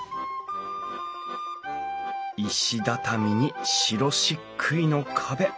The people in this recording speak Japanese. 石畳に白しっくいの壁。